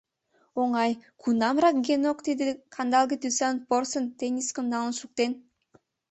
Оҥай, кунамрак Генок тиде кандалге тӱсан порсын теннискым налын шуктен?